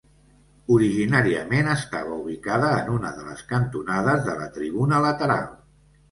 Originàriament estava ubicada en una de les cantonades de la tribuna lateral.